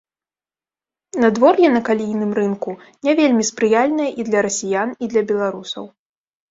Надвор'е на калійным рынку не вельмі спрыяльнае і для расіян, і для беларусаў.